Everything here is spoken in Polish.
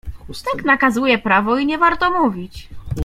"Tak nakazuje prawo i nie warto mówić."